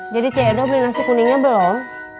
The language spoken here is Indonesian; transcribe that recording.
jadi cik edo beli nasi kuningnya belum